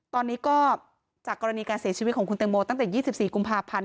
ตอนนี้ก็จากกรณีการเสียชีวิตของคุณแตงโมตั้งแต่๒๔กุมภาพันธ์